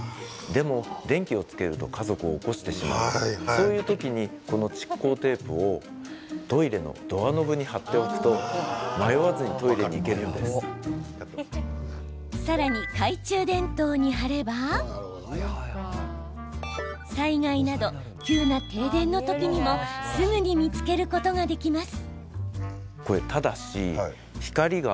そういう時にこの蓄光テープをトイレのドアノブに貼っておくとさらに、懐中電灯に貼れば災害など急な停電の時にもすぐに見つけることができます。